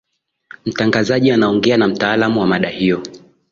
mtangazaji anaongea na mtaalamu wa mada hiyo